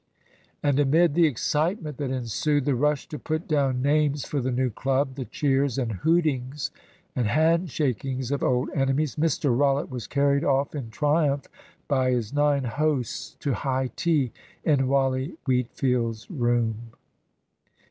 And amid the excitement that ensued, the rush to put down names for the new club, the cheers and hootings and hand shakings of old enemies, Mr Rollitt was carried off in triumph by his nine hosts to high tea in Wally Wheatfield's room.